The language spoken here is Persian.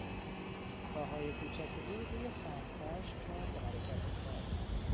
پاهای کوچک او روی سنگفرش تند حرکت میکرد.